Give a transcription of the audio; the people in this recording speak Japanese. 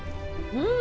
うん！